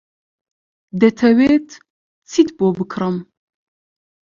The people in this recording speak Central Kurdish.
دەتەوێت چیت بۆ بکڕم؟